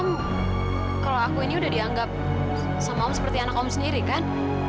oh kalau aku ini udah dianggap sama om seperti anak om sendiri kan